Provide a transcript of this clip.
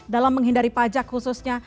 dalam menghindari pajak khususnya